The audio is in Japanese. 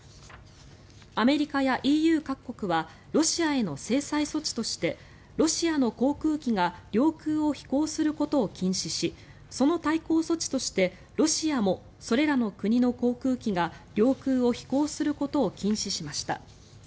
アメリカやＥＵ各国はロシアへの制裁措置としてロシアの航空機が領空を飛行することを禁止しその対抗措置として、ロシアもそれらの国の航空機が領空を飛行することを禁止しました。